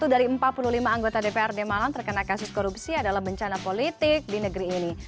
satu dari empat puluh lima anggota dprd malang terkena kasus korupsi adalah bencana politik di negeri ini